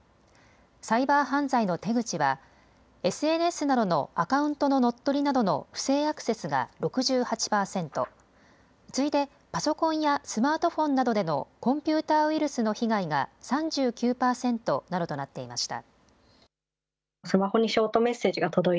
サイバー犯罪の手口はＳＮＳなどのアカウントの乗っ取りなどの不正アクセスが６８％、次いでパソコンやスマートフォンなどでのコンピューターウイルスの被害が３９％などとなっていました。